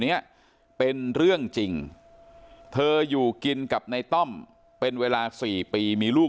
เนี้ยเป็นเรื่องจริงเธออยู่กินกับในต้อมเป็นเวลา๔ปีมีลูก